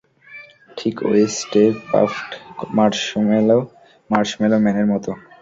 ঠিক ওই Stay Puft marshmallow ম্যানের মতো।